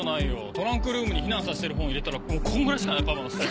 トランクルームに避難させてる本を入れたらこんぐらいしかないよ